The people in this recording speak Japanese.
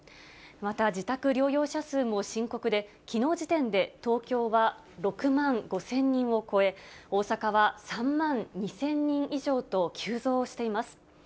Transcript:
また、自宅療養者数も深刻で、きのう時点で東京は６万５０００人を超え、大阪は３万２０００人以上と急増しています。